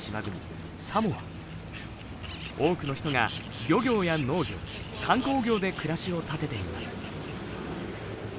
多くの人が漁業や農業観光業で暮らしを立てています。